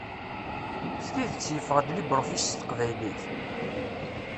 D tidet yeffeɣ-d LibreOffice s teqbaylit?